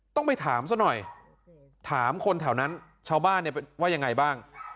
ต้องไปถามซะหน่อยถามคนแถวนั้นชาวบ้านเนี่ยว่ายังไงบ้าง